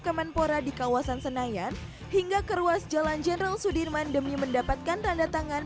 kemenpora di kawasan senayan hingga ke ruas jalan jenderal sudirman demi mendapatkan tanda tangan